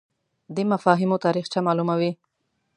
دی مفاهیمو تاریخچه معلوموي